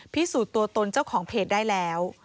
พิสูจน์ตัวตนเจ้าของเพจได้แล้ว